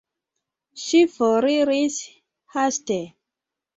Ŝi foriris haste.